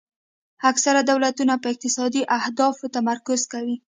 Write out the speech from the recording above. اکثره دولتونه په اقتصادي اهدافو تمرکز کوي